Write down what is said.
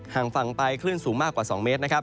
ห่างฝั่งไปคลื่นสูงมากกว่า๒เมตร